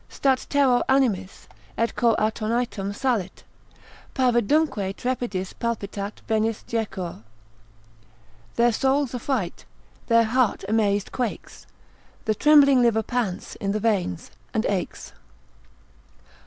Stat terror animis, et cor attonitum salit, Pavidumque trepidis palpitat venis jecur. Their soul's affright, their heart amazed quakes, The trembling liver pants i' th' veins, and aches.